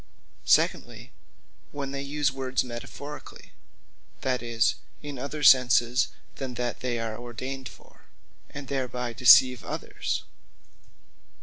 Secondly, when they use words metaphorically; that is, in other sense than that they are ordained for; and thereby deceive others.